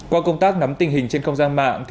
qua công tác nắm tình hình trên không gian mạng